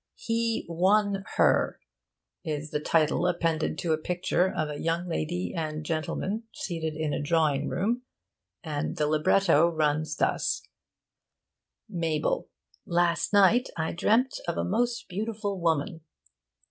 'HE WON HER' is the title appended to a picture of a young lady and gentleman seated in a drawing room, and the libretto runs thus: 'Mabel: Last night I dreamt of a most beautiful woman.